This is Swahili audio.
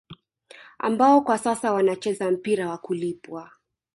Ambao kwa sasa wanacheza mpira wa kulipwa